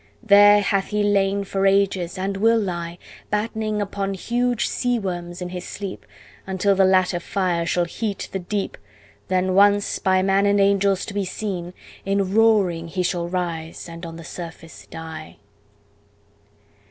There hath he lain for ages, and will lie Battening upon huge sea worms in his sleep, Until the latter fire shall heat the deep; Then once by man and angels to be seen, In roaring he shall rise and on the surface die.